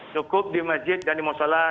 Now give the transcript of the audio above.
cukup di masjid dan di musola